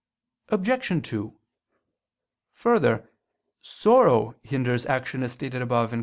Obj. 2: Further, sorrow hinders action, as stated above (Q.